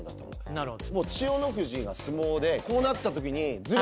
なるほど。